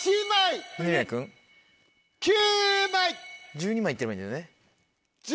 １２枚いってればいいんだよね。